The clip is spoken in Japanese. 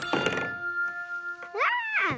わあ！